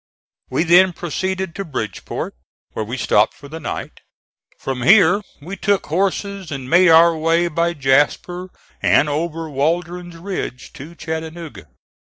We then proceeded to Bridgeport, where we stopped for the night. From here we took horses and made our way by Jasper and over Waldron's Ridge to Chattanooga.